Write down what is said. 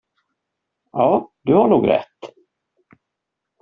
Ja, du har nog rätt.